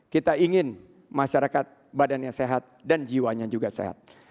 kita ingin masyarakat badannya sehat dan jiwanya juga sehat